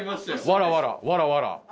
「わらわらわらわら」。